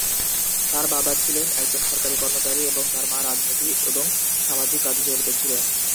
তার বাবা ছিলেন একজন সরকারী কর্মচারী এবং তার মা রাজনীতি এবং সামাজিক কাজে জড়িত ছিলেন।